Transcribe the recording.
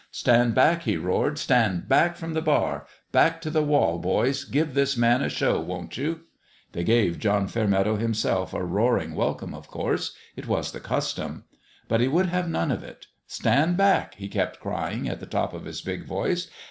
"Stand back!" he roared. " Stand back from the bar ! Back to the wall, boys! Give this man a show, won't you?" They gave John Fairmeadow himself a roaring welcome, of course. It was the custom. But he would have none of it "Stand back !" he kept crying, at the top of his big voice.